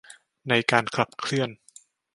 ในการขับเคลื่อน